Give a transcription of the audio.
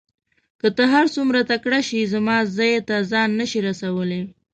که ته هر څوره تکړه شې زما ځای ته ځان نه شې رسولای.